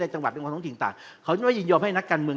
กล้าทองสิ่งต่างเขาจะไม่ยอมให้นักการเมือง